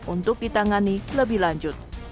untuk ditangani lebih lanjut